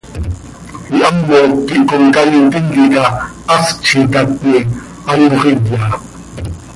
Ihamoc quih comcaii tintica hast z itatni, anxö iya.